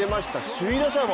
首位打者も。